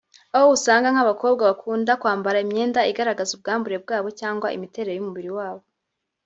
aho usanga nk’abakobwa bakunda kwambara imyenda igaragaza ubwambure bwabo cyangwa imiterere y’umubiri wabo